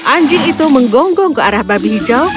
anjing itu menggonggong ke arah babi hijau